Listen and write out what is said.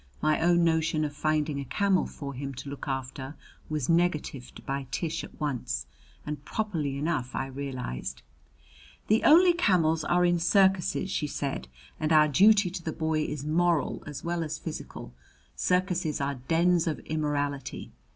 My own notion of finding a camel for him to look after was negatived by Tish at once, and properly enough I realized. "The only camels are in circuses," she said, "and our duty to the boy is moral as well as physical. Circuses are dens of immorality.